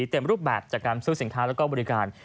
เต็มรูปแบบจากการซื้อสินค้าแล้วก็บริการ